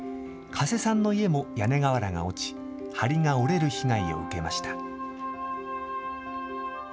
加瀬さんの家も屋根瓦が落ち、はりが折れる被害を受けました。